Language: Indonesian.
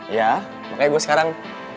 iya makanya gue sekarang